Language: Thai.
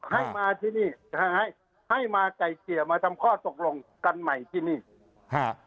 ให้มาที่นี่ให้มากายเกี่ยวมาทำข้อตกลงกันใหม่ที่นี่